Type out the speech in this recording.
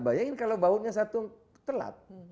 bayangin kalau bautnya satu telat